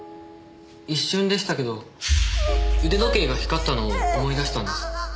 一瞬でしたけど腕時計が光ったのを思い出したんです。